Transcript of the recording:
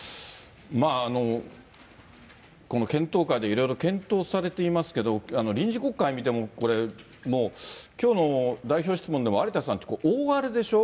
まあ、この検討会でいろいろ検討されていますけど、臨時国会見ても、これ、もう、きょうの代表質問でも、有田さん、大荒れでしょ。